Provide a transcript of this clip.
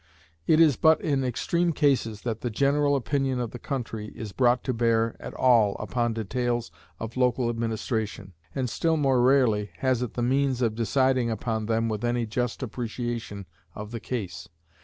It is but in extreme cases that the general opinion of the country is brought to bear at all upon details of local administration, and still more rarely has it the means of deciding upon them with any just appreciation of the case.